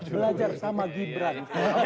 belajar sama gibran